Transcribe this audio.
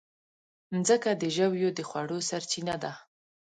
مځکه د ژويو د خوړو سرچینه ده.